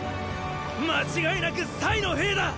間違いなくの兵だ！